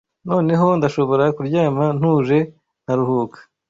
noneho ndashobora kuryama ntuje nkaruhuka